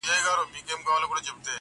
په ورځ کي سل ځلي ځارېدله.